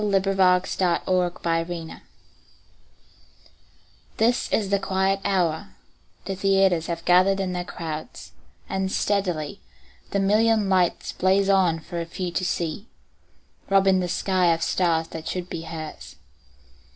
Sara Teasdale Broadway THIS is the quiet hour; the theaters Have gathered in their crowds, and steadily The million lights blaze on for few to see, Robbing the sky of stars that should be hers.